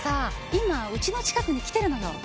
今うちの近くに来てるのよ。